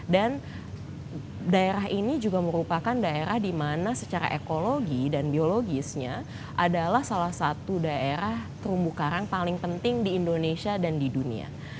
daerah ini juga merupakan daerah di mana secara ekologi dan biologisnya adalah salah satu daerah terumbu karang paling penting di indonesia dan di dunia